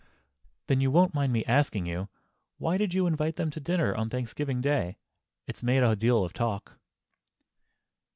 "Then—you won't mind my asking you?—why did you invite them to dinner on Thanksgiving Day? It's made a deal of talk."